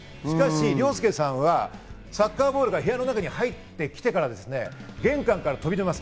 凌介さんはサッカーボールが部屋の中に入ってきてから玄関から飛び出ます。